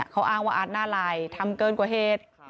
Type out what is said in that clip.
เขาอ้างว่าอาจน่ารายทำเกินกว่าเหตุ